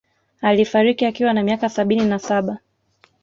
Alifariki akiwa na miaka sabini na saba